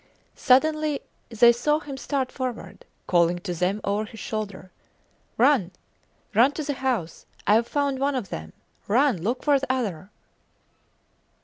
Suddenly they saw him start forward, calling to them over his shoulder: Run! Run to the house! Ive found one of them. Run, look for the other!